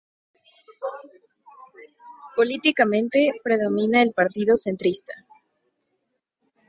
Políticamente, predomina el Partido Centrista.